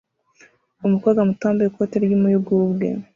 Umukobwa muto wambaye ikote ry'umuyugubwe